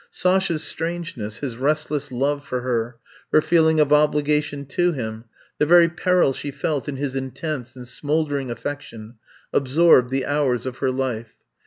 Sasha 's strangeness, his resttess love for her, her feeling of obligation to him, the very peril she felt in his intense and smouldering affection, absorbed the hours of her life.